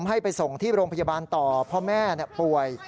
ให้ไปส่งที่โรงพยาบาลต่อเพราะแม่ป่วย